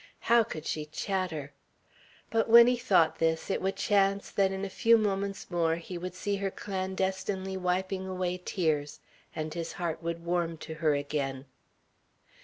How could she chatter! But when he thought this, it would chance that in a few moments more he would see her clandestinely wiping away tears, and his heart would warm to her again.